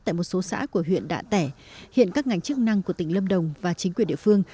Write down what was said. tại một số xã của huyện đạ tẻ hiện các ngành chức năng của tỉnh lâm đồng và chính quyền địa phương